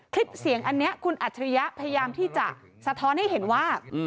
คลิปเสียงอันนี้คุณอัจฉริยะพยายามที่จะสะท้อนให้เห็นว่า